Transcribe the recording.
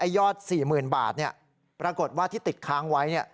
ยอด๔๐๐๐๐บาทเนี่ยปรากฏว่าที่ติดค้างไว้เนี่ย